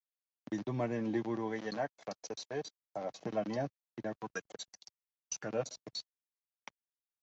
Bildumaren liburu gehienak frantsesez eta gaztelaniaz irakur daitezke; euskaraz ez.